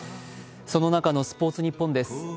その中の「スポーツニッポン」です。